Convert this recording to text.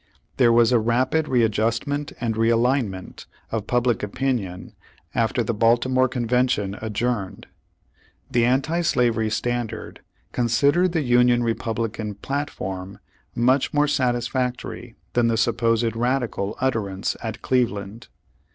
There was a rapid readjustment and realign ment of public opinion after the Baltimore Con vention adjourned. The Anti Slavery Standard considered the Union Republican platform much more satisfactory than the supposed radical ut terance at Cleveland.